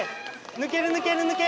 抜ける抜ける抜ける。